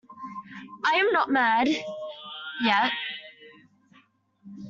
I’m not mad — yet.